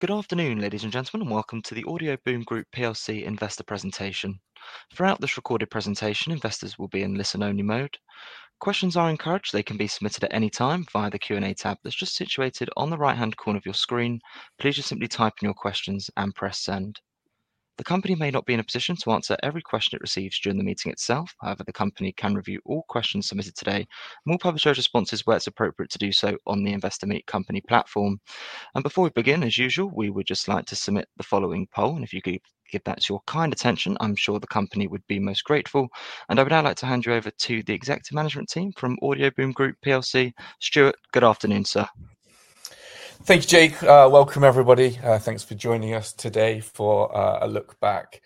Good afternoon ladies and gentlemen, and welcome to the Audioboom Group investor presentation. Throughout this recorded presentation, investors will be in listen only mode. Questions are encouraged. They can be submitted at any time via the Q&A tab that's just situated on the right hand corner of your screen. Please just simply type in your questions and press send. The company may not be in a position to answer every question it receives during the meeting itself. However, the company can review all questions submitted today and will publish those responses where it's appropriate to do so on the Investor Meet Company platform. Before we begin as usual, we would just like to submit the following poll and if you could give that to your kind attention, I'm sure the company would be most grateful. I would now like to hand you over to the executive management team from Audioboom Group. Stuart, good afternoon, sir. Thank you, Jake. Welcome everybody. Thanks for joining us today for a look back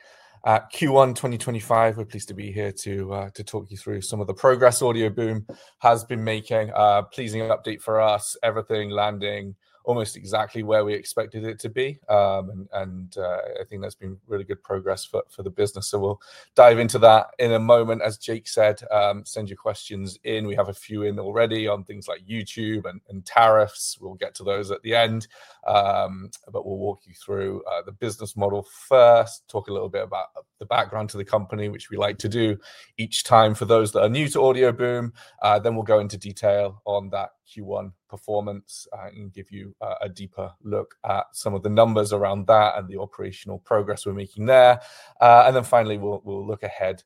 at Q1 2025. We're pleased to be here to talk you through some of the progress Audioboom has been making. Pleasing update for us, everything landing almost exactly where we expected it to be and I think that's been really good progress for the business. We'll dive into that in a moment. As Jake said, send your questions in. We have a few in already on things like YouTube and tariffs. We'll get to those at the end, but we'll walk you through the business model first, talk a little bit about the background to the company, which we like to do each time for those that are new to Audioboom. We will go into detail on that Q1 performance and give you a deeper look at some of the numbers around that and the operational progress we are making there. Finally, we will look ahead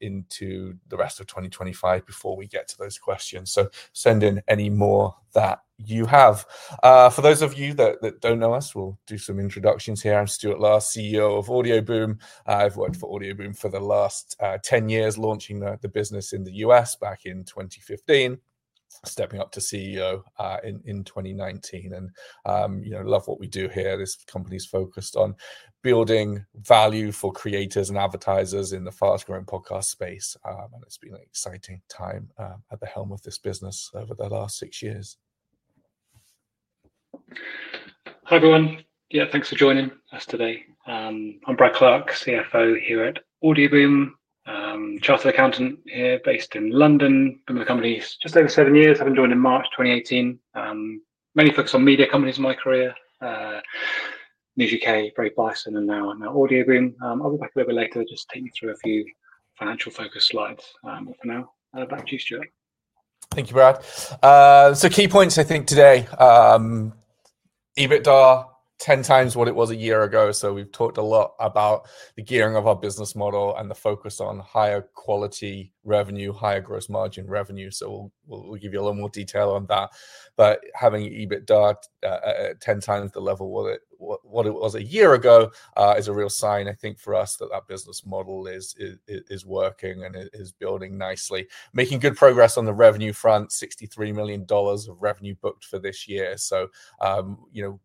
into the rest of 2025 before we get to those questions. Send in any more that you have. For those of you that do not know us, we will do some introductions here. I am Stuart Last, CEO of Audioboom. I have worked for Audioboom for the last 10 years, launching the business in the US back in 2015, stepping up to CEO in 2019 and, you know, love what we do here. This company is focused on building value for creators and advertisers in the fast growing podcast space and it has been an exciting time at the helm of this business over the last six years. Hi everyone. Yeah, thanks for joining us today. I'm Brad Clarke, CFO here at Audioboom, Chartered Accountant here based in London. Been with the company just over seven years. Having joined in March 2018. Mainly focused on media companies in my career. News U.K., Brave Bison and now Audioboom. I'll be back a little bit later, just take you through a few financial focused slides. Now back to you, Stuart. Thank you, Brad. Key points I think today, EBITDA 10 times what it was a year ago. We have talked a lot about the gearing of our business model and the focus on higher quality, quality revenue, higher gross margin revenue. We will give you a little more detail on that. Having EBITDA 10 times the level what it was a year ago is a real sign, I think for us, that that business model is working and is building nicely, making good progress on the revenue front. $63 million of revenue booked for this year. You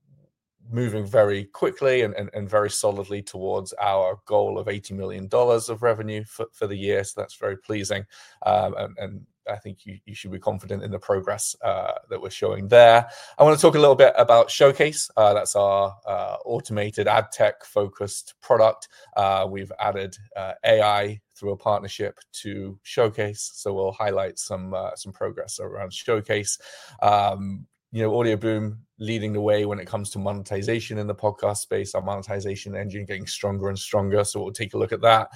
know, moving very quickly and very solidly towards our goal of $80 million of revenue for the year. That is very pleasing and I think you should be confident in the progress that we are showing there. I want to talk a little bit about Showcase. That's our automated ad tech focused product. We've added AI through a partnership to showcase. You know, we'll highlight some progress around showcase. You know, Audioboom leading the way when it comes to monetization in the podcast space. Our monetization engine getting stronger and stronger. We'll take a look at that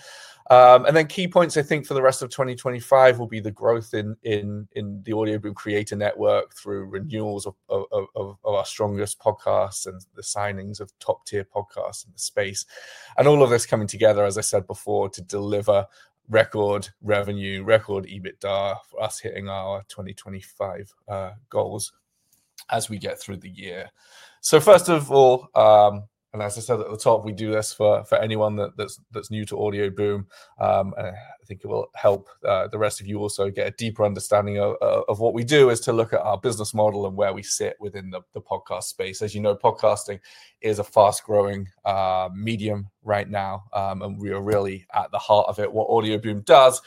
and then key points I think for the rest of 2025 will be the growth of the Audioboom Creator Network through renewals of our strongest podcasts and the signings of top tier podcasts in the space. All of this coming together, as I said before, to deliver record revenue, record EBITDA for us hitting our 2025 goals as we get through the year. First of all, and as I said at the top, we do this for anyone that's new to Audioboom. I think it will help the rest of you also get a deeper understanding of what we do is to look at our model and where we sit within the podcast space. As you know, podcasting is a fast growing medium right now and we are really at the heart of it. What Audioboom does,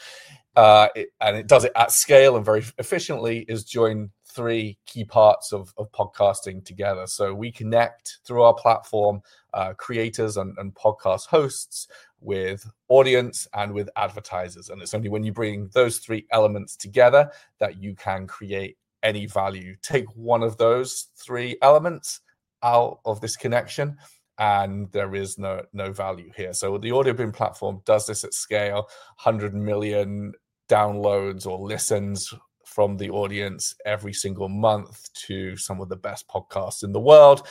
and it does it at scale and very efficiently, is join three key parts of podcasting together so we connect through our platform creators and podcast hosts, with audience and with advertisers. It's only when you bring those three elements together that you can create any value. Take one of those three elements out of this connection and there is no value here. The Audioboom platform does this at scale, 100 million downloads or listens from the audience every single month to some of the best podcasts in the world.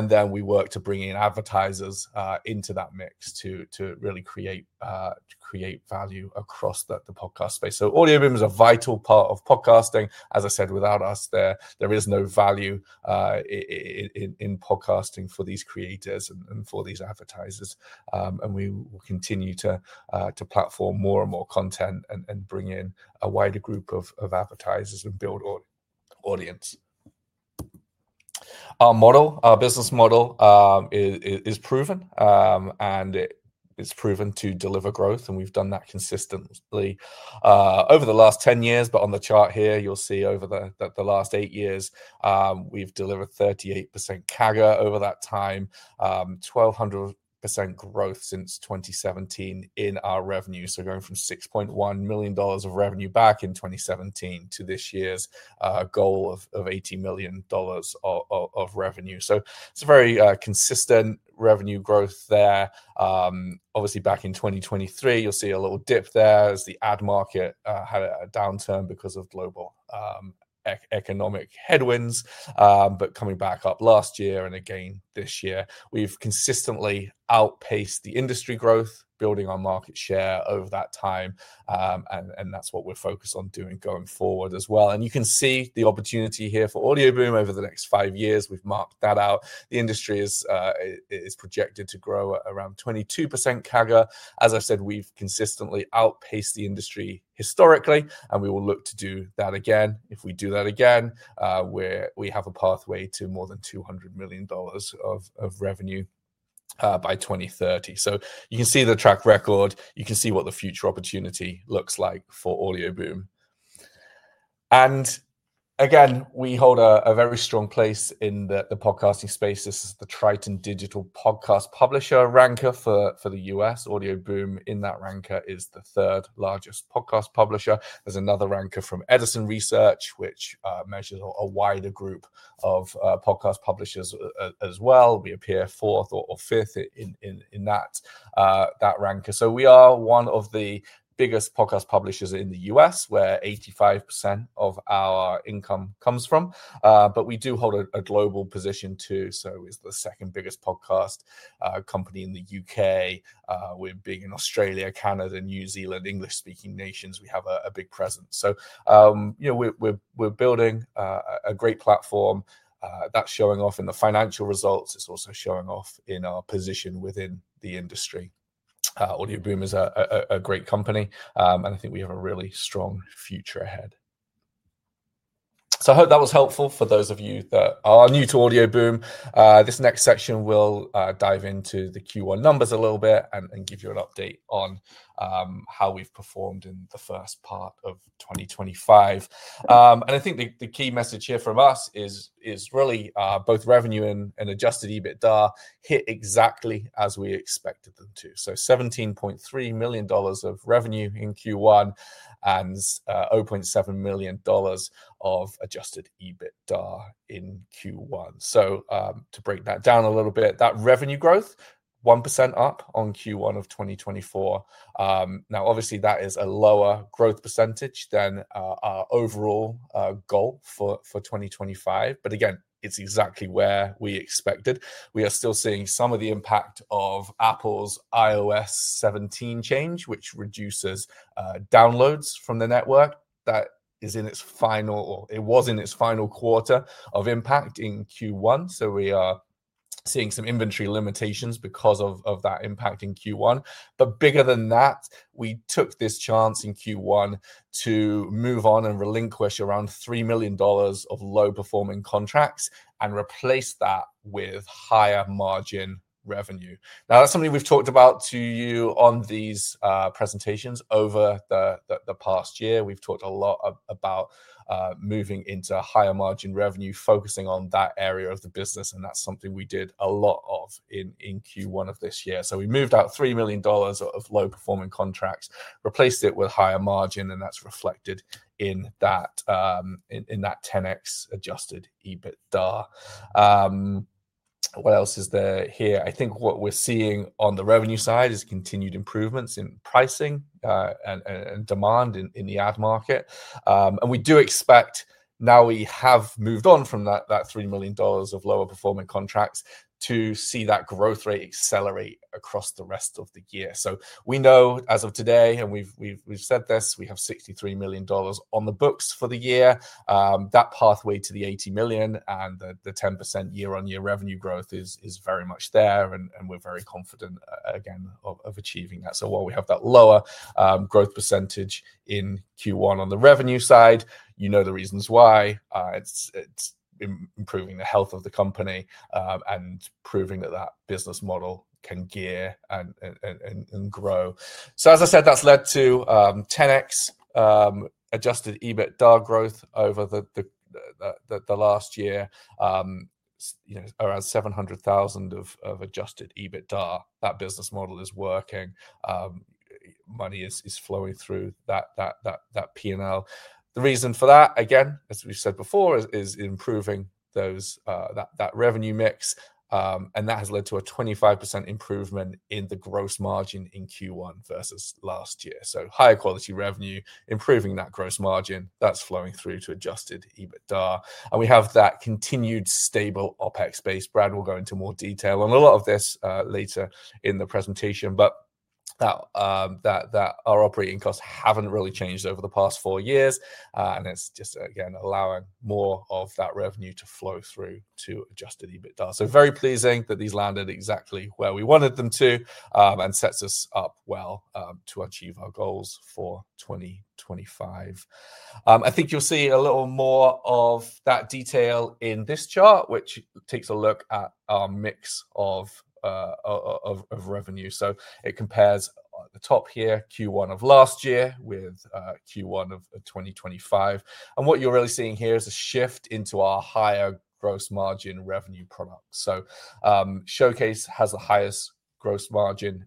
Then we work to bring in advertisers into that mix to really create value across the podcast space. Audioboom is a vital part of podcasting. As I said, without us there, there is no value in podcasting for these creators and for these advertisers. We will continue to platform more and more content and bring in a wider group of advertisers and build audience. Our model, our business model is proven and it is proven to deliver growth. We have done that consistently over the last 10 years. On the chart here, you will see over the last eight years, we have delivered 38% CAGR over that time, 1,200% growth since 2017 in our revenue. Going from $6.1 million of revenue back in 2017 to this year's goal of $80 million of revenue. It is a very consistent revenue growth there. Obviously, back in 2023, you'll see a little dip there as the ad market had a downturn because of global economic headwinds. Coming back up last year and again this year, we've consistently outpaced the industry growth, building our market share over that time. That's what we're focused on doing going forward as well. You can see the opportunity here for Audioboom over the next five years. We've marked that out. The industry is projected to grow around 22% CAGR. As I said, we've consistently outpaced the industry historically and we will look to do that again. If we do that again, we have a pathway to more than $200 million of revenue by 2030. You can see the track record, you can see what the future opportunity looks like for Audioboom. We hold a very strong place in the podcasting space. This is the Triton Digital podcast publisher ranker for the U.S. Audioboom, in that ranker, is the third largest podcast publisher. There's another ranker from Edison Research, which measures a wider group of podcast publishers as well. We appear fourth or fifth in that rank. We are one of the biggest podcast publishers in the U.S., where 85% of our income comes from. We do hold a global position too. Audioboom is the second biggest podcast company in the U.K. We're big in Australia, Canada, New Zealand, English-speaking nations, big presence. You know, we're building a great platform that's showing off in the financial results. It's also showing off in our position within the industry. Audioboom is a great company and I think we have a really strong future ahead. I hope that was helpful. For those of you that are new to Audioboom, this next section will dive into the Q1 numbers a little bit and give you an update on how we've performed in the first part of 2025. I think the key message here from us is really both revenue and adjusted EBITDA hit exactly as we expected them to. $17.3 million of revenue in Q1 and $0.7 million of adjusted EBITDA in Q1. To break that down a little bit, that revenue growth is 1% up on Q1 of 2024. Obviously that is a lower growth percentage than our overall goal for 2025. Again, it's exactly where we expected. We are still seeing some of the impact of Apple's iOS 17 change which reduces downloads from the network that is in its final, or it was in its final quarter of impact in Q1. We are seeing some inventory limitations because of that impact in Q1. Bigger than that, we took this chance in Q1 to move on and relinquish around $3 million of low performing contracts and replace that with higher margin revenue. That is something we have talked about to you on these presentations over the past year. We have talked a lot about moving into higher margin revenue, focusing on that area of the business. That is something we did a lot of in Q1 of this year. We moved out $3 million of low performing contracts, replaced it with higher margin and that is reflected in that 10x adjusted EBITDA. What else is there here? I think what we're seeing on the revenue side is continued improvements in pricing and demand in the ad market. We do expect, now we have moved on from that $3 million of lower performing contracts, to see that growth rate accelerate across the rest of the year. We know as of today, and we've said this, we have $63 million on the books for the year. That pathway to the $80 million and the 10% year on year revenue growth is very much there and we're very confident again of achieving that. While we have that lower growth percentage in Q1 on the revenue side, you know the reasons why. It's improving the health of the company and proving that that business model can gear and grow. As I said, that's led to 10x adjusted EBITDA growth over the last year. You know, around 700,000 of adjusted EBITDA. That business model is working. Money is flowing through that P&L. The reason for that, again as we've said before, is improving that revenue mix and that has led to a 25% improvement in the gross margin in Q1 versus last year. Higher quality revenue, improving that gross margin, that's flowing through to adjusted EBITDA and we have that continued stable OpEx base. Brad will go into more detail on a lot of this later in the presentation. Our operating costs haven't really changed over the past four years and it's just again allowing more of that revenue to flow through to adjusted EBITDA. Very pleasing that these landed exactly where we wanted them to and sets us up well to achieve our goals for 2025. I think you'll see a little more of that detail in this chart which takes a look at our mix of revenue. It compares at the top here Q1 of last year with Q1 of 2025. What you're really seeing here is a shift into our higher gross margin revenue products. Showcase has the highest gross margin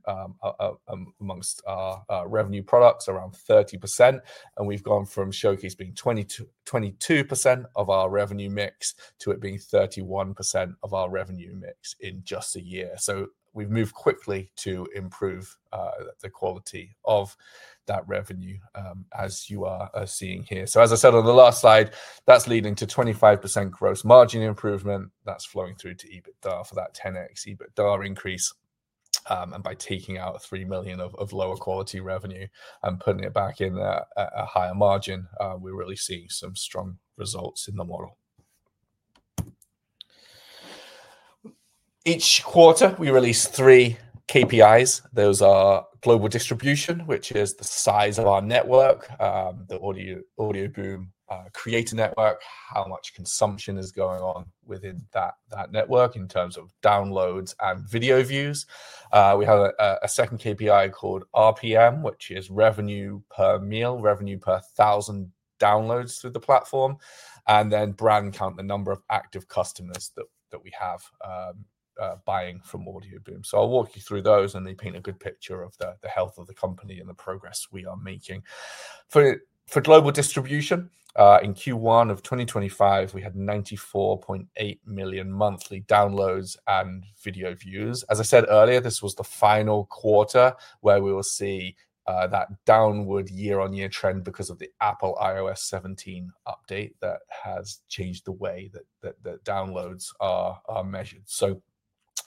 amongst our revenue products, around 30%. We've gone from Showcase being 22% of our revenue mix to it being 31% of our revenue mix in just we've moved quickly to improve the quality of that revenue as you are seeing here. As I said on the last slide, that's leading to 25% gross margin improvement that's flowing through to EBITDA for that 10x EBITDA increase. By taking out $3 million of lower quality revenue and putting it back in a higher margin, we really see some strong results in the model. Each quarter we release three KPIs. Those are global distribution, which is the size of our network, the Audioboom creator network. How much consumption is going on within that network in terms of downloads and video views. We have a second KPI called RPM, which is revenue per mille, revenue per thousand downloads through the platform, and then brand count, the number of active customers that we have buying from Audioboom. I'll walk you through those and they paint a good picture of the health of the company. The progress we are making for global distribution. In Q1 of 2025 we had 94.8 million monthly downloads and video views. As I said earlier, this was the final quarter where we will see that downward year-on-year trend because of the Apple iOS 17 update that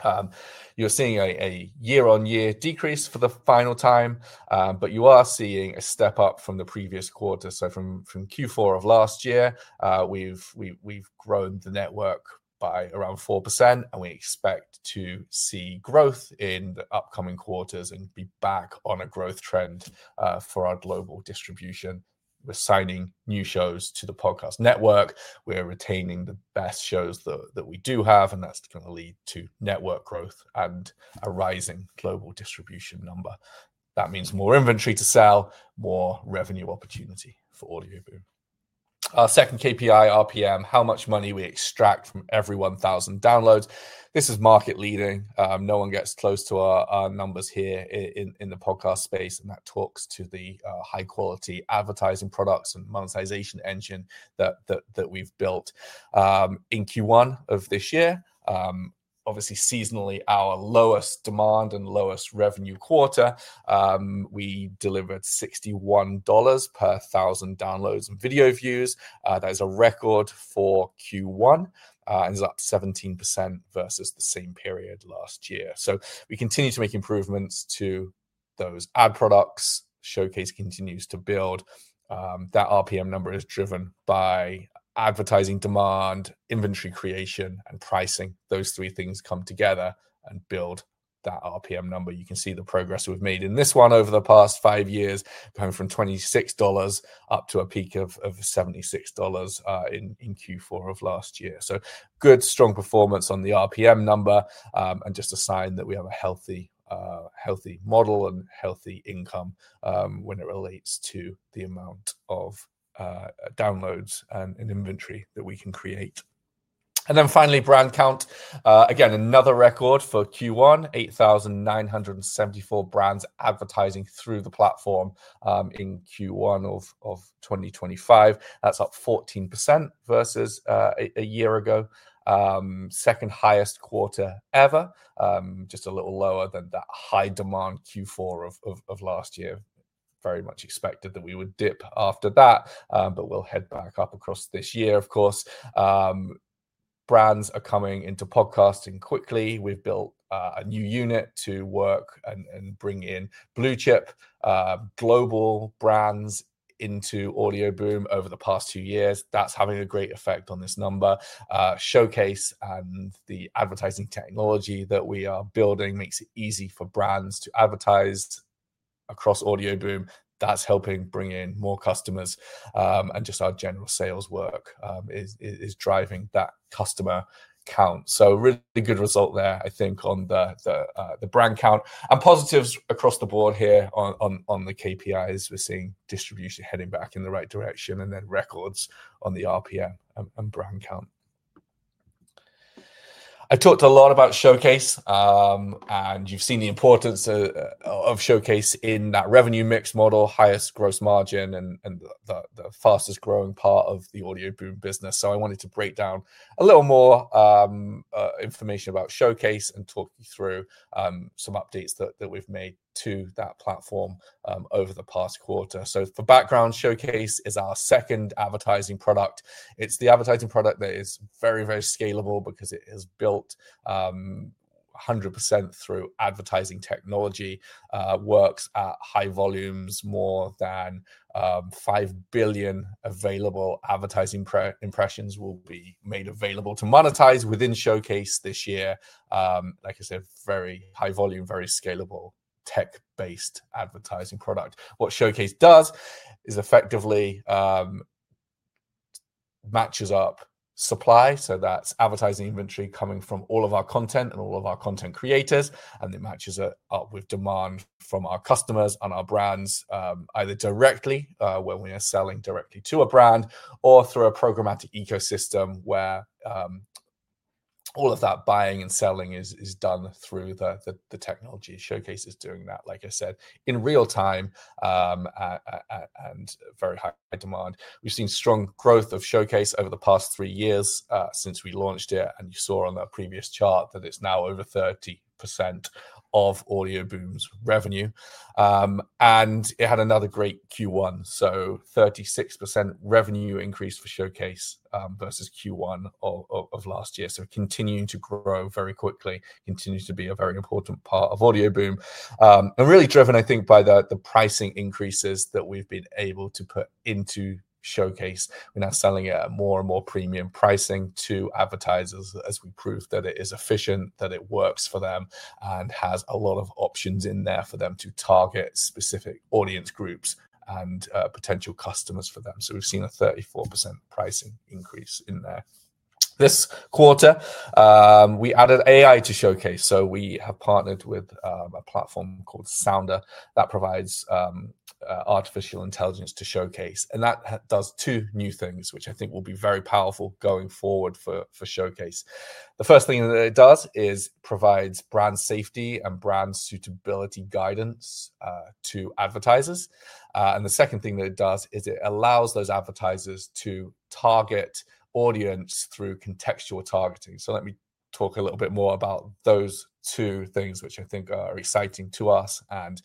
has changed the way that the downloads are measured. You are seeing a year-on-year decrease for the final time, but you are seeing a step up from the previous quarter. From Q4 of last year we have grown the network by around 4% and we expect to see growth in the upcoming quarters and be back on a growth trend for our global distribution. We are signing new shows to the podcast network. We are retaining the best shows that we do have and that is going to lead to network growth and a rising global distribution number. That means more inventory to sell, more revenue opportunity for Audioboom. Second KPI, RPM. How much money we extract from every 1,000 downloads. This is market leading. No one gets close to our numbers here in the podcast space and that talks to the high quality advertising products and monetization engine that we've built. In Q1 of this year, obviously seasonally our lowest demand and lowest revenue quarter, we delivered $61 per 1,000 downloads and video views. That is a record for Q1 and is up 17% versus the same period last year. We continue to make improvements to those ad products. Showcase continues to build. That RPM number is driven by advertising demand, inventory creation, and pricing. Those three things come together and build that RPM number. You can see the progress we've made in this one over the past five years going from $26 up to a peak of $76 in Q4 of last year. Good strong performance on the RPM number and just a sign that we have a healthy, healthy model and healthy income when it relates to the amount of downloads and inventory that we can create. Finally, brand count again. Another record for Q1, 8,974 brands advertising through the platform in Q1 of 2025. That's up 14% versus a year ago, second highest quarter ever, just a little lower than that high demand Q4 of last year. Very much expected that we would dip after that, but we'll head back up across this year. Of course brands are coming into podcasting quickly. We've built a new unit to work and bring in blue chip global brands into Audioboom over the past two years. That's having a great effect on this number. Showcase and the advertising technology that we are building makes it easy for brands to advertise across Audioboom. That's helping bring in more customers and just our general sales work is driving that customer count. Really good result there I think on the brand count and positives across the board. Here on the KPIs we're seeing distribution heading back in the right direction and then records on the RPM and brand count. I talked a lot about Showcase and you've seen the importance of Showcase in that revenue mix model. Highest gross margin and the fastest growing part of the Audioboom business. I wanted to break down a little more information about Showcase and talk you through some updates that we've made to that platform over the past quarter. For background, Showcase is our second advertising product. It's the advertising product that is very, very scalable because it is built 100% through advertising technology and works at high volumes. More than 5 billion available advertising impressions will be made available to monetize within Showcase this year. Like I said, very high volume, very scalable tech-based advertising product. What Showcase does is effectively matches up supply, so that's advertising inventory coming from all of our content and all of our content creators and it matches it up with demand from our customers and our brands, either directly, when we are selling directly to a brand or through a programmatic ecosystem where all of that buying and selling is done through the technology. Showcase is doing that, like I said, in real time and very high demand. We've seen strong growth of Showcase over the past three years since we launched it and you saw on that previous chart that it's now over 30% of Audioboom's revenue and it had another great Q1. 36% revenue increase for Showcase versus Q1 of last year. Continuing to grow very quickly continues to be a very important part of Audioboom and really driven I think by the pricing increases that we've been able to put into Showcase. We're now selling it at more and more premium pricing to advertisers as we prove that it is efficient, that it works for them and has a lot of options in there for them to target specific audience groups and potential customers for them. We've seen a 34% pricing increase in there. This quarter we added AI to Showcase. We have partnered with a platform called Sounder that provides artificial intelligence to Showcase and that does two new things which I think will be very powerful going forward for Showcase. The first thing that it does is provides brand safety and brand suitability guidance to advertisers, and the second thing that it does is it allows those advertisers to target audience through contextual targeting. Let me talk a little bit more about those two things, which I think are exciting to us and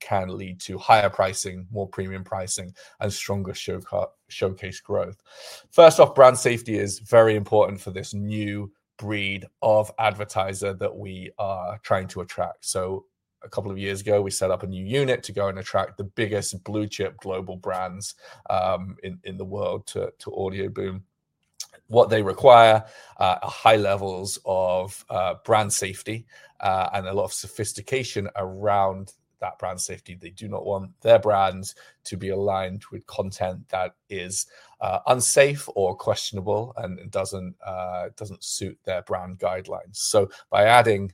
can lead to higher pricing, more premium pricing, and stronger Showcase growth. First off, brand safety is very important for this new breed of advertiser that we are trying to attract. A couple of years ago, we set up a new unit to go and attract the biggest blue chip global brands in the world to Audioboom. What they require are high levels of brand safety and a lot of sophistication around that brand safety. They do not want their brands to be aligned with content that is unsafe or questionable and does not suit their brand guidelines. By adding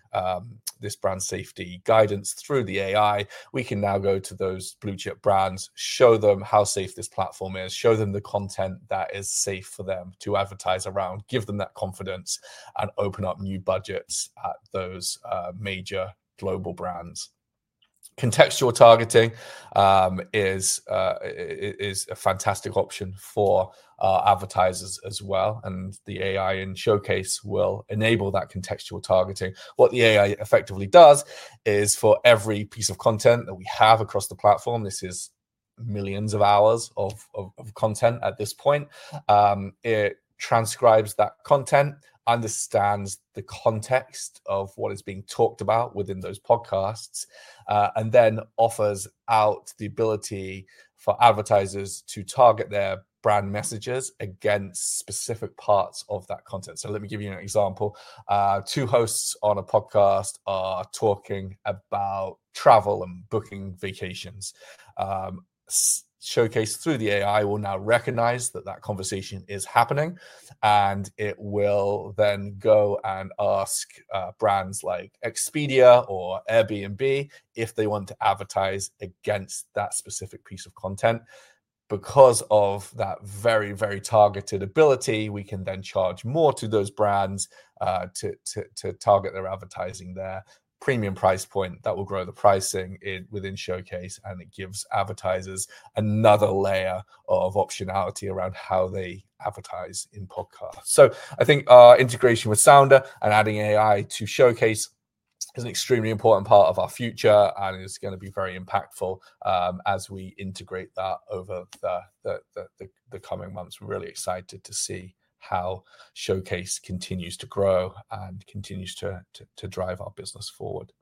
this brand safety guidance through the AI, we can now go to those blue chip brands, show them how safe this platform is, show them the content that is safe for them to advertise around, give them that confidence and open up new budgets at those major global brands. Contextual targeting is a fantastic option for advertisers as well, and the AI in Showcase will enable that contextual targeting. What the AI effectively does is for every piece of content that we have across the platform, this is millions of hours of content at this point. It transcribes that content, understands the context of what is being talked about within those podcasts, and then offers out the ability for advertisers to target their brand messages against specific parts of that content. Let me give you an example. Two hosts on a podcast are talking about travel and booking vacations. Showcase through the AI will now recognize that that conversation is happening and it will then go and ask brands like Expedia or Airbnb if they want to advertise against that specific piece of content. Because of that very, very targeted ability, we can then charge more to those brands to target their advertising. There is a premium price point that will grow the pricing within Showcase and it gives advertisers another layer of optionality around how they advertise in podcasts. I think our integration with Sounder and adding AI to Showcase is an extremely important part of our future and it's going to be very impactful as we integrate that over the coming months. We're really excited to see how Showcase continues to grow and continues to drive our business forward.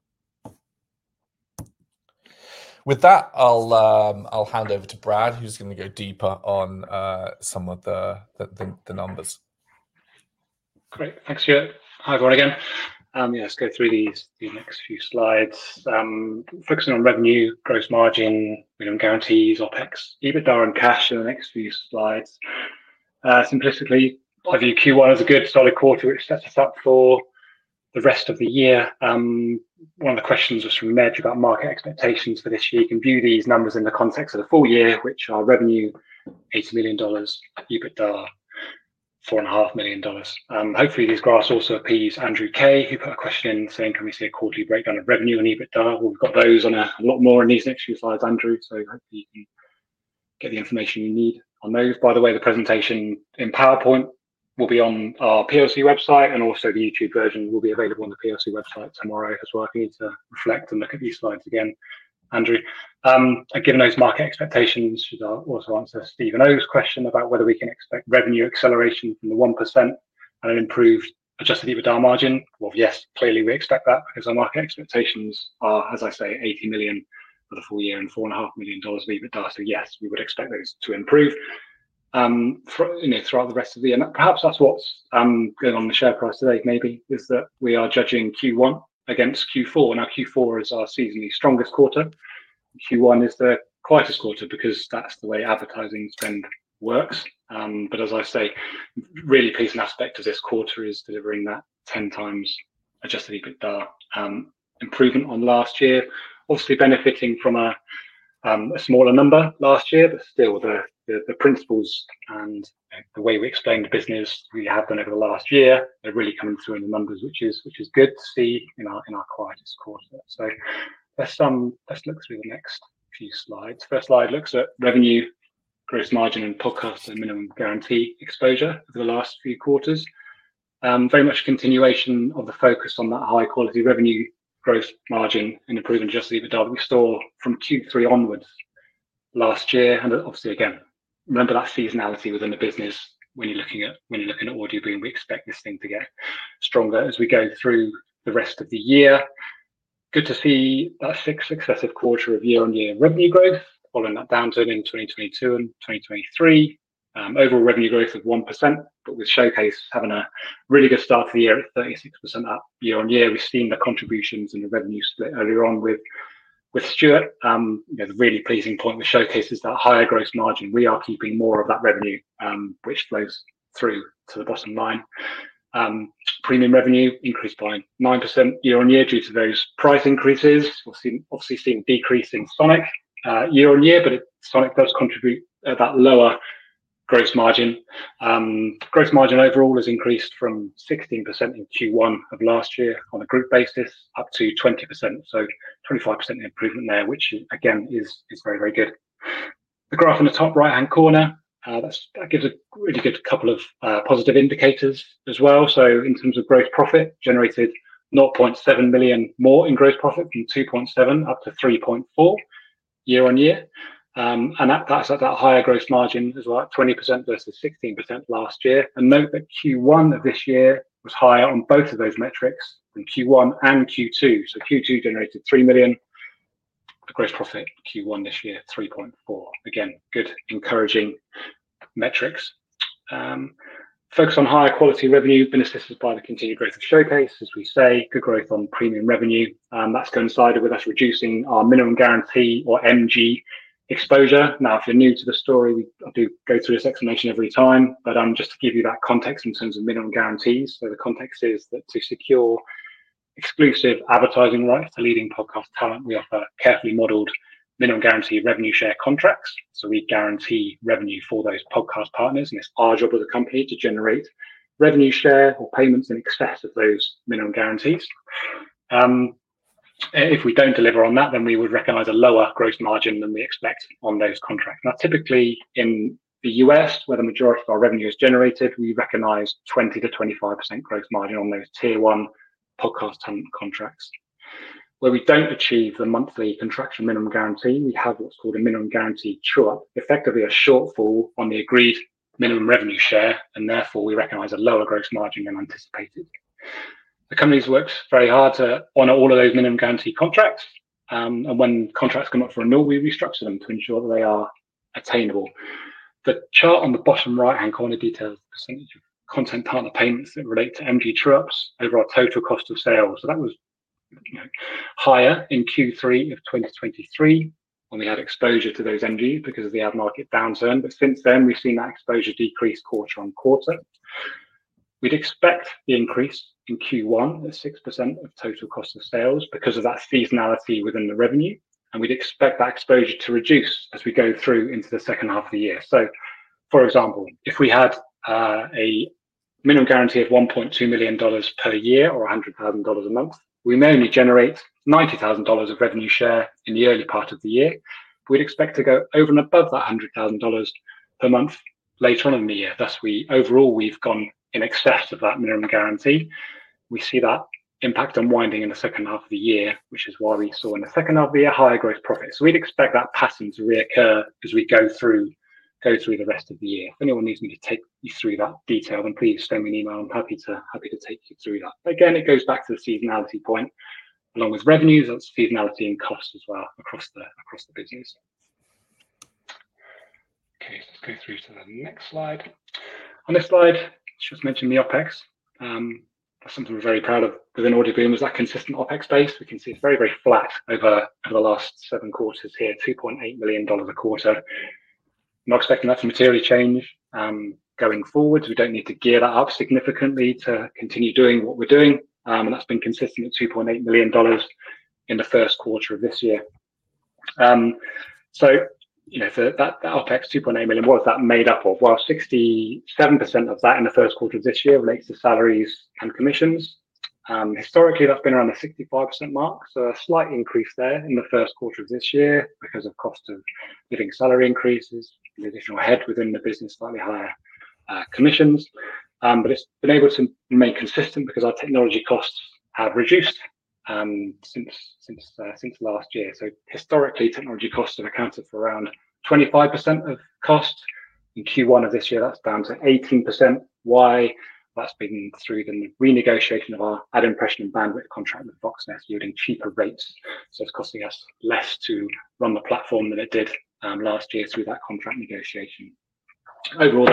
With that, I'll hand over to Brad, who's going to go deeper on some of the numbers. Great. Thanks, Stuart. Hi everyone. Again, let's go through these the next few slides focusing on revenue, gross margin guarantees, OpEx, EBITDA and cash in the next few slides. Simplistically, I view Q1 as a good solid quarter which sets us up for the rest of the year. One of the questions was from Med about market expectations for this year. You can view these numbers in the context of the full year which are revenue $80 million EBITDA $4.5 million. Hopefully these graphs also appease Andrew Kay who put a question in saying can we see a quarterly breakdown of revenue and EBITDA? We've got those on a lot more in these next few slides, Andrew, so hopefully you get the information you need on those. By the way, the presentation in PowerPoint will be on our website and also the YouTube version will be available on the website tomorrow as well. If you need to reflect and look at these slides again, Andrew, given those market expectations, should I also answer Stephen O's question about whether we can expect revenue acceleration from the 1% and an improved adjusted EBITDA margin? Yes, clearly we expect that because our market expectations are as I say, $80 million for the full year and $4.5 million of EBITDA. Yes, we would expect those to improve throughout the rest of the year. Perhaps that's what's going on. The share price today maybe is that we are judging Q1 against Q4. Now Q4 is our seasonally strongest quarter. Q1 is the quietest quarter because that's the way advertising spend works. As I say, really pleasing aspect of this quarter is delivering that 10 times adjusted EBITDA improvement on last year. Obviously benefiting from a smaller number last year. Still the principles and the way we explained business we have been over the last year, they're really coming through in the numbers which is good to see in our quietest quarter. Let's look through the next few slides. First slide looks at revenue, gross margin and podcast and minimum guarantee exposure for the last few quarters. Very much continuation of the focus on that high quality revenue, gross margin and improving adjusted EBITDA that we saw from Q3 onwards last year. Obviously again remember that seasonality within the business when you're looking at, when you're looking at Audioboom. We expect this thing to get stronger as we go through the rest of the year. Good to see that sixth successive quarter of year on year revenue growth following that downturn in 2022 and 2023, overall revenue growth of 1%. With Showcase having a really good start of the year at 36% up year on year, we've seen the contributions and the revenue split earlier on with Stuart. The really pleasing point which showcases that higher gross margin, we are keeping more of that revenue which flows through to the bottom line. Premium revenue increased by 9% year on year due to those price increases. We've obviously seen decreasing Sonic year on year, but Sonic does contribute that lower gross margin. Gross margin overall has increased from 16% in Q1 of last year on a group basis up to 20% so 25% improvement there, which again is very, very good. The graph in the top right hand corner, that gives a really good couple of positive indicators as well. In terms of gross profit, generated $0.7 million more in gross profit from $2.7 million up to $3.4 million year on year. That's at that higher gross margin as well at 20% versus 16% last year. Note that Q1 of this year was higher on both of those metrics than Q1 and Q2. Q2 generated $3 million. The gross profit Q1 this year $3.4 million. Again, good, encouraging metrics. Focus on higher quality revenue. Been assisted by the continued growth of Showcase, as we say, good growth on premium revenue that's coincided with us reducing our minimum guarantee or MG exposure. Now, if you're new to the story, we do go through this explanation every time, but just to give you that context in terms of minimum guarantees. The context is that to secure exclusive advertising rights to leading podcast talent, we offer carefully modeled minimum guarantee revenue share contracts. We guarantee revenue for those podcast partners and it's our job as a company to generate revenue share or payments in excess of those minimum guarantees. If we don't deliver on that, then we would recognize a lower gross margin than we expect on those contracts. Typically in the U.S. where the majority of our revenue is generated, we recognize 20 to 25% gross margin. On those tier one podcast talent contracts where we don't achieve the monthly contracted minimum guarantee, we have what's called a minimum guarantee true up, effectively a shortfall on the agreed minimum revenue share and therefore we recognize a lower gross margin than anticipated. The company has worked very hard to honor all of those minimum guarantee contracts and when contracts come up for renewal, we restructure them to ensure that they are attainable. The chart on the bottom right hand corner details the percentage of content partner payments that relate to MG true ups over our total cost of sales. That was higher in Q3 of 2023 when we had exposure to those MG because of the ad market downturn. Since then we have seen that exposure decrease quarter on quarter. We would expect the increase in Q1 at 6% of total cost of sales because of that seasonality within the revenue. We would expect that exposure to reduce as we go through into the second half of the year. For example, if we had a minimum guarantee of $1.2 million per year or $100,000 a month, we may only generate $90,000 of revenue share in the early part of the year. We'd expect to go over and above that $100,000 per month later on in the year. Thus, overall, we've gone in excess of that minimum guarantee. We see that impact unwinding in the second half of the year, which is why we saw in the second half of the year higher gross profit. We'd expect that pattern to reoccur as we go through the rest of the year. If anyone needs me to take you through that detail, then please send me an email. I'm happy to, happy to take you through that again. It goes back to the seasonality point along with revenues. That's seasonality and cost as well across the business. Okay, so let's go through to the next slide. On this slide, just mentioned the OpEx, that's something we're very proud of within Audioboom was that consistent OpEx base. We can see it's very, very flat over the last seven quarters here. $2.8 million a quarter. Not expecting that to materially change going forward. We don't need to gear that up significantly to continue doing what we're doing. That's been consistent at $2.8 million in the first quarter of this year. You know, for that OpEx, $2.8 million, what is that made up of? 67% of that in the first quarter of this year relates to salaries and commissions. Historically that's been around the 65% mark. A slight increase there in the first quarter of this year because of cost of living, salary increases, additional head within the business, slightly higher commissions. It's been able to remain consistent because our technology costs have reduced since last year. Historically, technology costs have accounted for around 25% of cost. In Q1 of this year, that's down to 18%. Why? That's been through the renegotiation of our ad impression and bandwidth contract with Voxnest yielding cheaper rates. It's costing us less to run the platform than it did last year through that contract negotiation. Overall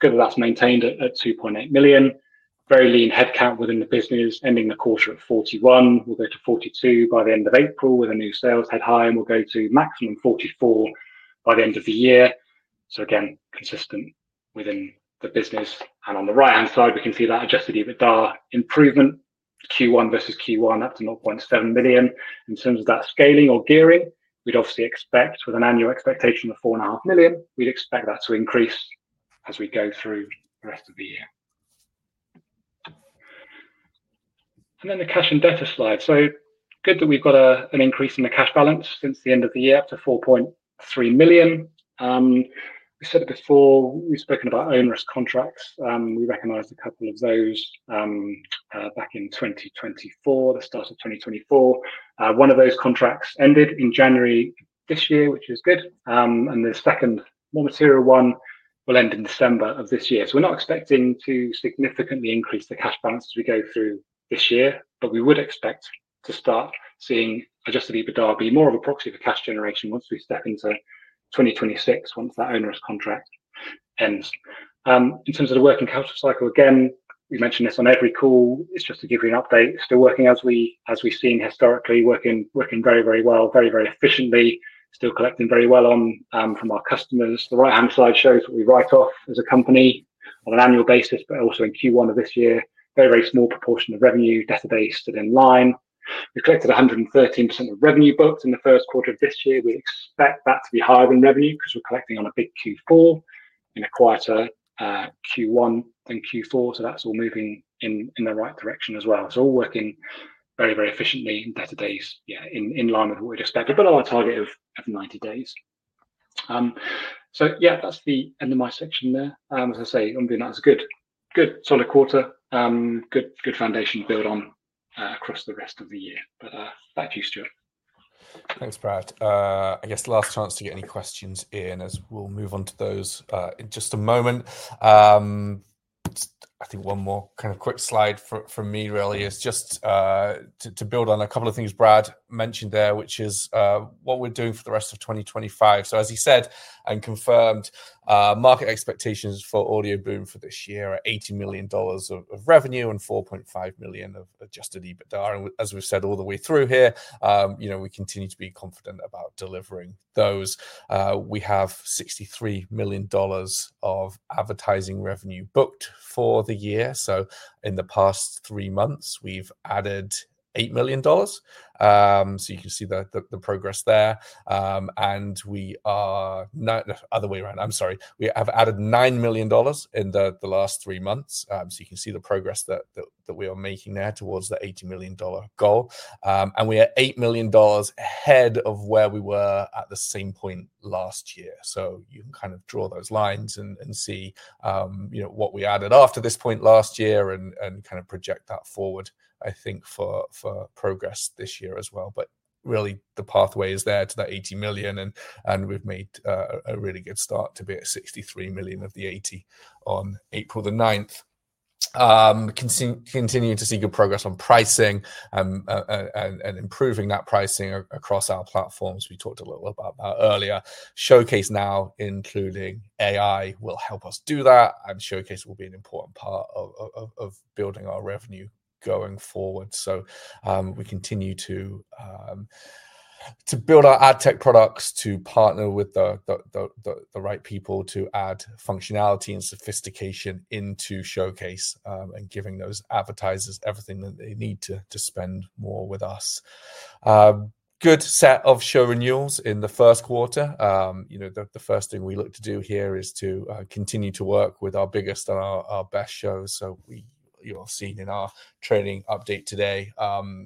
though, that's maintained at $2.8 million. Very lean headcount within the business ending the quarter at 41. We'll go to 42 by the end of April with a new sales head hire and we'll go to maximum 44 by the end of the year. Again, consistent within the business and on the right hand side we can see that adjusted EBITDA improvement Q1 versus Q1 up to $0.7 million. In terms of that scaling or gearing we'd obviously expect with an annual expectation of $4.5 million, we'd expect that to increase as we go through the rest of the year. The cash and debtor slide is good in that we've got an increase in the cash balance since the end of the year up to $4.3 million. We said it before, we've spoken about onerous contracts. We recognized a couple of those back in 2024, the start of 2024. One of those contracts ended in January this year, which is good and the second more material one will end in December of this year. We're not expecting to significantly increase the cash balance as we go through this year, but we would expect to start seeing adjusted EBITDA be more of a proxy for cash generation once we step into 2026, once that onerous contract ends in terms of the working capital cycle. Again, we mentioned this on every call. All is just to give you an update. Still working as we, as we've seen historically, working very, very well, very, very efficiently. Still collecting very well from our customers. The right hand side shows what we write off as a company on an annual basis. Also in Q1 of this year, very, very small proportion of revenue, that is in line. We've collected 113% of revenue booked in the first quarter of this year. We expect that to be higher than revenue because we're collecting on a bit Q4 in a quieter Q1 and Q4. That is all moving in the right direction as well. All working very, very efficiently in better days in line with what we'd expect but on a target of 90 days. That is the end of my section there. As I say, that was a good solid quarter, good foundation to build on across the rest of the year. Back to you Stuart. Thanks, Brad. I guess last chance to get any questions in as we'll move on to those in just a moment. I think one more kind of quick slide for me really is just to build on a couple of things Brad mentioned there, which is what we're doing for the rest of 2025. As he said and confirmed, market expectations for Audioboom for this year are $80 million of revenue and $4.5 million of adjusted EBITDA. As we've said all the way through here, you know, we continue to be confident about delivering those. We have $63 million of advertising revenue booked for the year. In the past three months we've added $8 million. You can see the progress there and we are not, other way around, I'm sorry, we have added $9 million in the last three months. You can see the progress that we are making there towards the $80 million goal. We are $8 million ahead of where we were at the same point last year. You can kind of draw those lines and see, you know, what we added after this point last year and kind of project that forward, I think, for progress this year as well. Really the pathway is there to that $80 million, and we've made a really good start to be at $63 million of the $80 million on April 9th. Continuing to see good progress on pricing and improving that pricing across our platforms. We talked a little about earlier. Showcase now including AI will help us do that, and Showcase will be an important part of building our revenue going forward. We continue to build our ad tech products to partner with the right people to add functionality and sophistication into Showcase and giving those advertisers everything that they need to spend more with us. Good set of show renewals in the first quarter. You know the first thing we look to do here is to continue to work with our biggest and our best shows. You know, in our trading update today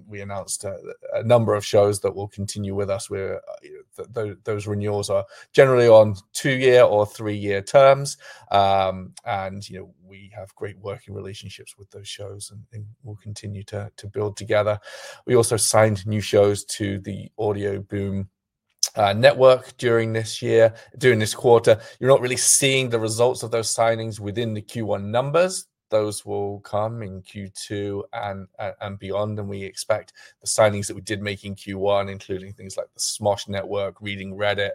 we announced a number of shows that will continue with us. Those renewals are generally on two-year or three-year terms and you know we have great working relationships with those shows and we'll continue to build together. We also signed new shows to the Audioboom Network during this year. During this quarter you're not really seeing the results of those signings within the Q1 numbers. Those will come in Q2 and beyond and we expect the signings that we did make in Q1, including things like the Smosh Network, Reddit,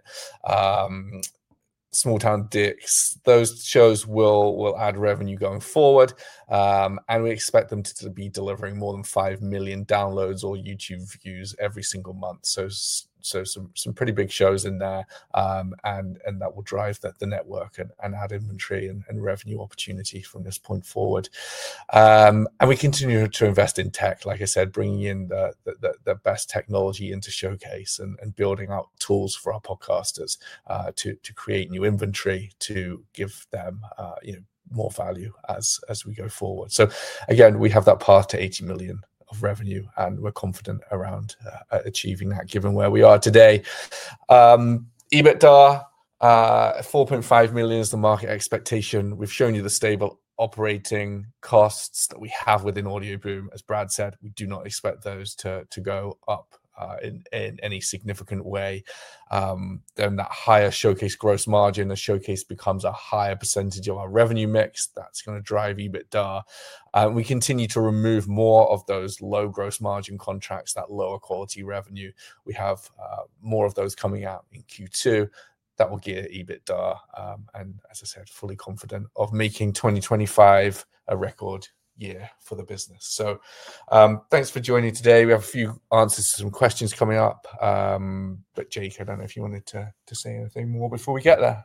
Small Town Dicks. Those shows will add revenue going forward and we expect them to be delivering more than 5 million downloads or YouTube video views every single month. Some pretty big shows in there and that will drive the network and add inventory and revenue opportunity from this point forward and we continue to invest in tech like I said, bringing in the best technology into Showcase and building out tools for our podcasters to create new inventory to give them, you know, more value as we go forward. Again we have that path to $80 million of revenue and we're confident around achieving that given where we are today. EBITDA $4.5 million is the market expectation. We have shown you the stable operating costs that we have within Audioboom. As Brad said, we do not expect those to go up in any significant way. That higher Showcase gross margin, as Showcase becomes a higher percentage of our revenue mix, is going to drive EBITDA. We continue to remove more of those low gross margin contracts, that lower quality revenue. We have more of those coming out in Q2 that will gear EBITDA, and as I said, fully confident of making 2025 a record year for the business. Thanks for joining today. We have a few answers to some questions coming up. Jake, I do not know if you wanted to say anything more before we get there.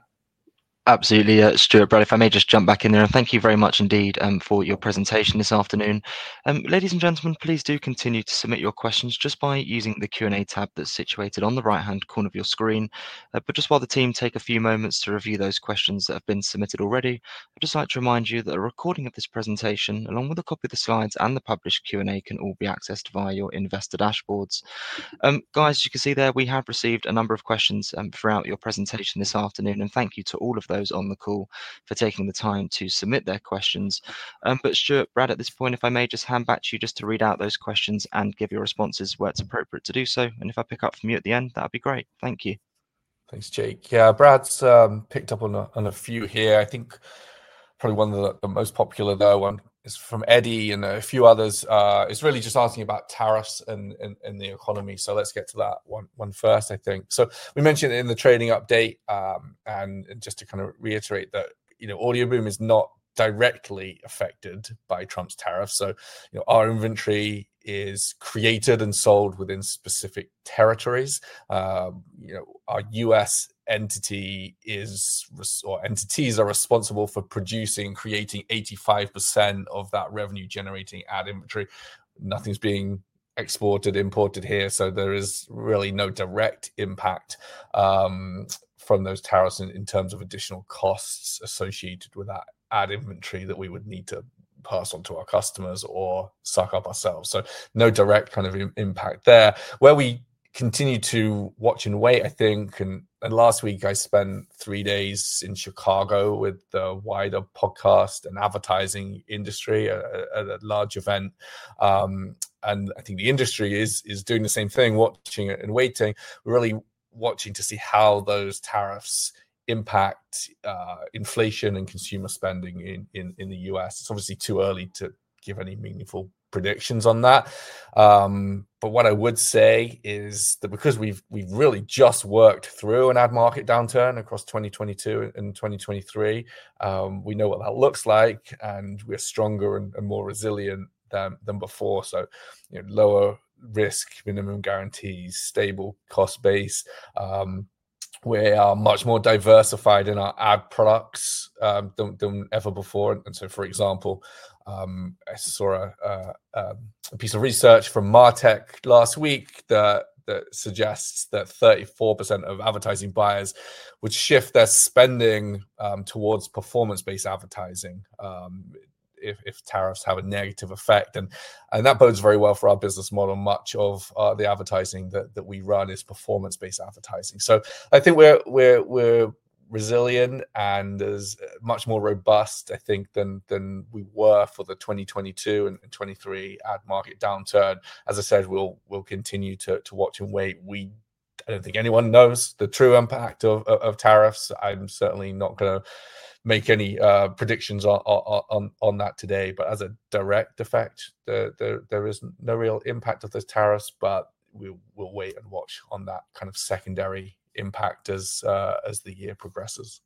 Absolutely. Stuart, Brad, if I may just jump back in there. Thank you very much indeed for your presentation this afternoon. Ladies and gentlemen, please do continue to submit your questions just by using the Q&A tab that's situated on the right hand corner of your screen. While the team take a few moments to review those questions that have been submitted already, I'd just like to remind you that a recording of this presentation along with a copy of the slides and the published Q&A can all be accessed via your investor dashboards. You can see there we have received a number of questions throughout your presentation this afternoon, and thank you to all of those on the call for taking the time to submit their questions. Stuart, Brad, at this point, if I may just hand back to you just to read out those questions and give your responses where it's appropriate to do so. If I pick up from you at the end, that'd be great. Thank you. Thanks, Jake. Yeah, Brad's picked up on a few here. I think probably one of the most popular though one is from Eddie and a few others. It's really just asking about tariffs and the economy. Let's get to that one. One first, I think. We mentioned in the trading update and just to kind of reiterate that, you know, Audioboom is not directly affected by Trump's tariffs. You know, our inventory is created and sold within specific territories. Our U.S. entity is or entities are responsible for producing, creating 85% of that revenue generating ad inventory. Nothing's being exported, imported here. There is really no direct impact from those tariffs in terms of additional costs associated with that ad inventory that we would need to pass on to our customers or suck up ourselves. No direct kind of impact there. Where we continue to watch and wait I think and last week I spent three days in Chicago with the wider podcast and advertising industry at a large event and I think the industry is doing the same thing, watching and waiting really watching to see how those tariffs impact inflation and consumer spending in, in the U.S. It's obviously too early to give any meaningful predictions on that, but what I would say is that because we've, we've really just worked through an ad market downturn across 2022 and 2023. We know what that looks like and we're stronger and more resilient than before. Lower risk minimum guarantees, stable cost base. We are much more diversified in our ad products than ever before. For example, I saw a piece of research from MarTech last week that suggests that 34% of advertising buyers would shift their spending towards performance based advertising if tariffs have a negative effect. That bodes very well for our business model. Much of the advertising that we run is performance based advertising. I think we are resilient and much more robust, I think, than we were for the 2022 and 2023 ad market downturn. As I said, we will continue to watch and wait. I do not think anyone knows the true impact of tariffs. I am certainly not going to make any predictions on that today. As a direct effect, there is no real impact of those tariffs. We will wait and watch on that kind of secondary impact as the year progresses.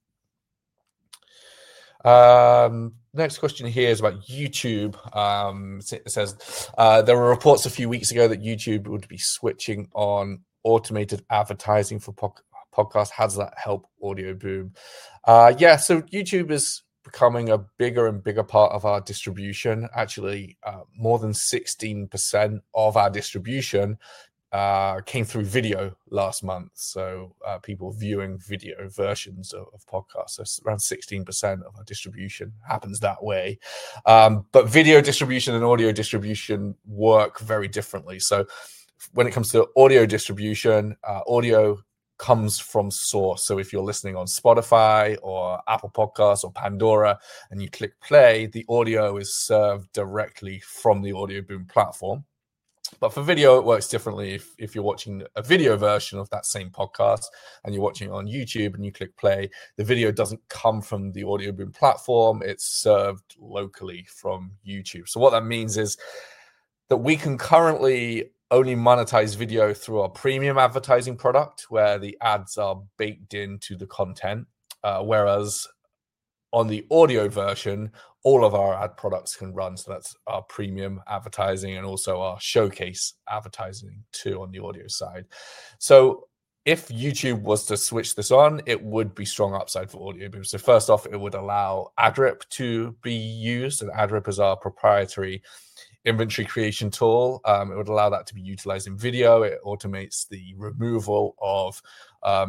Next question here is about YouTube. It says there were reports a few weeks ago that YouTube would be switching on automated advertising for Pocket Podcast. Has that helped Audioboom? Yeah, YouTube is becoming a bigger and bigger part of our distribution. Actually, more than 16% of our distribution came through video last month. People viewing video versions of podcasts, that's around 16% of our distribution happens that way. Video distribution and audio distribution work very differently. When it comes to audio distribution, audio comes from source. If you're listening on Spotify or Apple Podcasts or Pandora and you click play, the audio is served directly from the Audioboom platform. For video it works differently. If you're watching a video version of that same podcast and you're watching on YouTube and you click play, the video doesn't come from the Audioboom platform. It's served locally from YouTube. What that means is that we can currently only monetize video through our premium advertising product where the ads are baked into the content, whereas on the audio version all of our ad products can run. That's our premium advertising and also our Showcase advertising too on the audio side. If YouTube was to switch this on, it would be strong upside for Audioboom. First off, it would allow Adrip to be used, and Adrip is our proprietary inventory creation tool. It would allow that to be utilized in video. It automates the removal of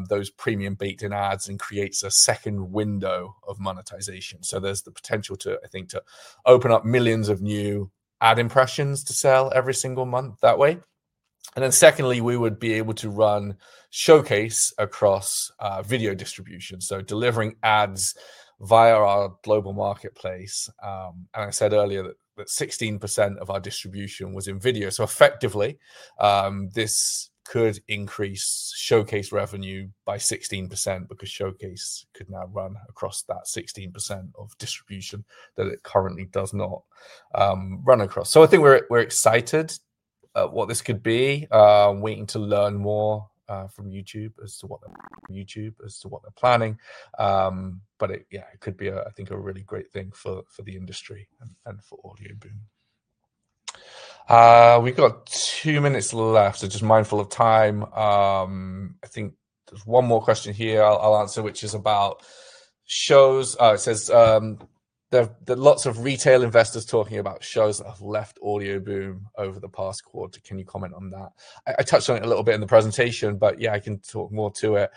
those premium baked-in ads and creates a second window of monetization. There's the potential, I think, to open up millions of new ad impressions to sell every single month that way. We would be able to run Showcase across video distribution, delivering ads via our global marketplace. I said earlier that 16% of our distribution was in video. Effectively, this could increase Showcase revenue by 16% Showcase could now run across that 16% of distribution that it currently does not run across. I think we're excited what this could be. Waiting to learn more from YouTube as to what they're planning. It could be, I think, a really great thing for the industry and for Audioboom. We've got two minutes left, so just mindful of time, I think there's one more question here I'll answer, which is about shows. It says lots of retail investors talking about shows that have left Audioboom over the past quarter. Can you comment on that? I touched on it a little bit in the presentation, but yeah, I can talk more to it.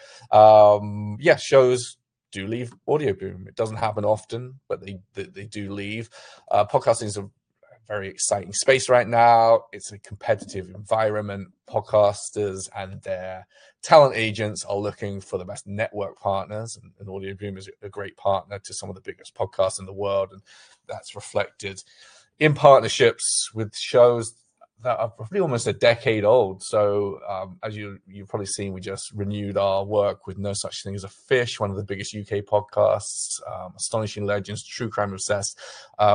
Yes, shows do leave Audioboom. It does not happen often, but they do leave. Podcasting is a very exciting space right now. It is a competitive environment. Podcasters and their talent agents are looking for the best network partners. Audioboom is a great partner to some of the biggest podcasts in the world. That is reflected in partnerships with shows that are probably almost a decade old. As you have probably seen, we just renewed our work with No Such Thing as a Fish, one of the biggest U.K. podcasts, Astonishing Legends, True Crime Obsessed.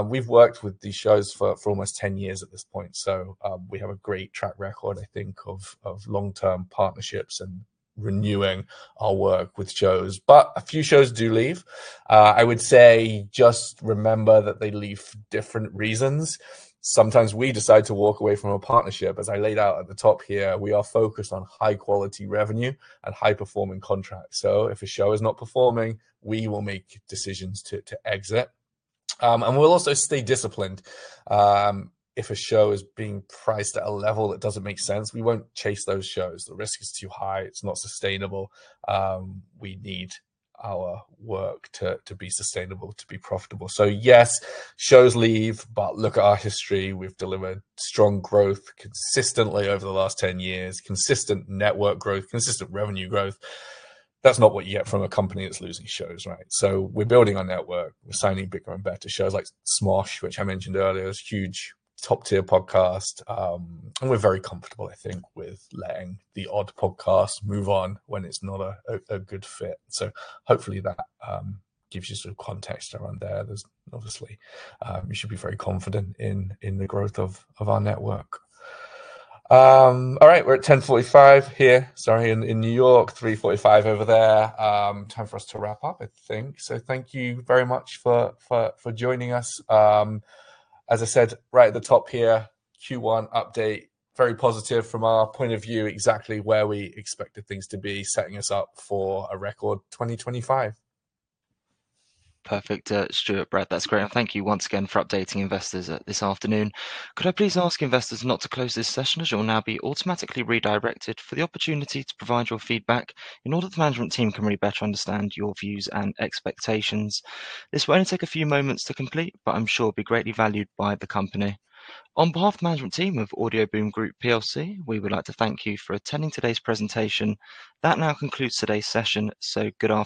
We have worked with these shows for almost 10 years at this point. We have a great track record, I think, of long-term partnerships and renewing our work with shows. A few shows do leave. I would say just remember that they leave for different reasons. Sometimes we decide to walk away from a partnership. As I laid out at the top here, we are focused on high quality revenue and high performing contracts. If a show is not performing, we will make decisions to exit and we will also stay disciplined. If a show is being priced at a level that does not make sense, we will not chase those shows. The risk is too high, it is not sustainable. We need our work to be sustainable, to be profitable. Yes, shows leave, but look at our history. We have delivered strong growth consistently over the last 10 years. Consistent network growth, consistent revenue growth. That is not what you get from a company that is losing shows. Right? We're building our network, we're signing bigger and better shows like Smosh, which I mentioned earlier is huge, top tier podcast. We're very comfortable, I think, with letting the odd podcast move on when it's not a good fit. Hopefully that gives you some context around there. You should be very confident in the growth of our network. All right, we're at 10:45 here in New York, 3:45 over there. Time for us to wrap up, I think. Thank you very much for joining us. As I said right at the top here, Q1 update, very positive from our point of view, exactly where we expected things to be, setting us up for a record 2025. Perfect. Stuart. Brad, that's great. Thank you once again for updating investors this afternoon. Could I please ask investors not to close this session as you'll now be automatically redirected for the opportunity to provide your feedback in order for the management team to really better understand your views and expectations. This will only take a few moments to complete, but I'm sure will be greatly valued by the company. On behalf of the management team of Audioboom Group, we would like to thank you for attending today's presentation. That now concludes today's session. Good afternoon.